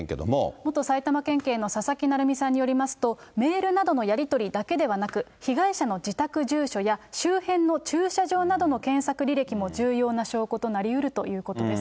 元埼玉県警の佐々木成三さんによりますと、メールなどのやり取りだけではなく、被害者の自宅住所や周辺の駐車場などの検索履歴も重要な証拠のなりうるということです。